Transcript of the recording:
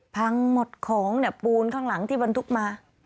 พังหมดของเนี่ยปูนข้างหลังที่บรรทุกมา